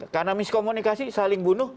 karena miskomunikasi saling bunuh